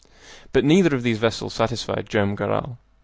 But neither of these vessels satisfied Joam Garral.